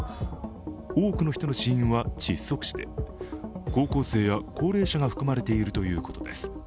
多くの人の死因は窒息死で高校生や高齢者が含まれているということです。